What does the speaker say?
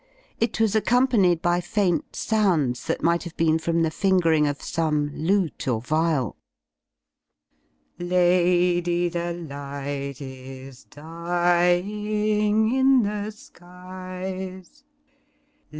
It was accompanied by faint sounds that might have been from the fingering of some lute or viol: ''Lady, the light is dying in the skies.